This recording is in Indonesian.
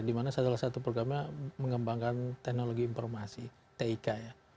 dimana salah satu programnya mengembangkan teknologi informasi tik ya